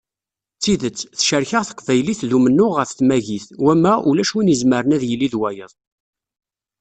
D tidet, tecrek-aɣ teqbaylit d umennuɣ ɣef tmagit, wamma ulac win izemmren ad yili d wayeḍ.